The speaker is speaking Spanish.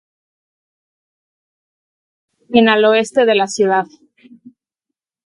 Está ubicada en al oeste de la ciudad.